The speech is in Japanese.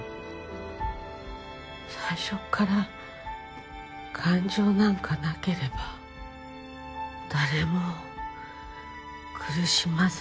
最初から感情なんかなければ誰も苦しまずにすむのよ。